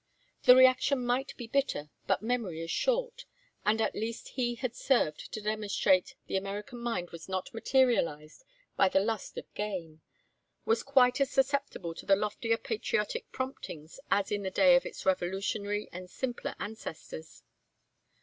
The reaction might be bitter, but memory is short, and at least he had served to demonstrate that the American mind was not materialized by the lust of gain, was quite as susceptible to the loftier patriotic promptings as in the days of its revolutionary and simpler ancestors.